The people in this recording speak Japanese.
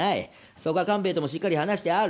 そこは官兵衛ともしっかり話してある。